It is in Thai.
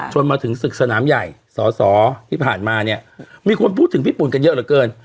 มาถึงศึกสนามใหญ่สอสอที่ผ่านมาเนี่ยมีคนพูดถึงพี่ปุ่นกันเยอะเหลือเกิน